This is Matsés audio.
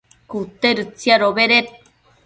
cute tsiadobeded